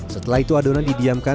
setelah itu adonan didiamkan